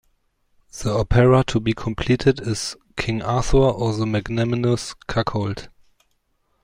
The opera to be completed is "King Arthur or the Magnanimous Cuckold".